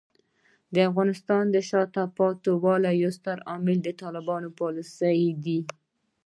د افغانستان د شاته پاتې والي یو ستر عامل طالبانو پالیسۍ دي.